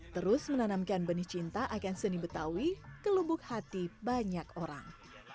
terus menanamkan benih cinta akan seni betawi ke lubuk hati banyak orang